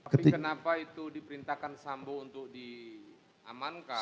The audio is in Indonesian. tapi kenapa itu diperintahkan sambo untuk diamankan